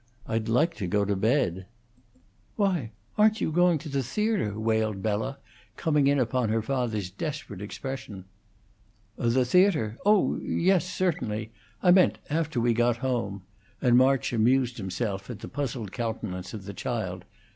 I'd like to go to bed." "Why, aren't you going to the theatre?" wailed Bella, coming in upon her father's desperate expression. "The theatre? Oh yes, certainly! I meant after we got home," and March amused himself at the puzzled countenance of the child.